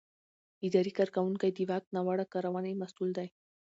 اداري کارکوونکی د واک ناوړه کارونې مسؤل دی.